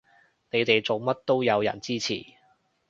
你哋做乜都有人支持